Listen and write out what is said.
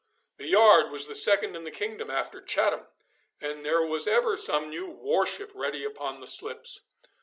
The yard was the second in the kingdom, after Chatham, and there was ever some new war ship ready upon the slips.